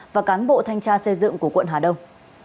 và cán bộ thanh tra xây dựng của quận hà đông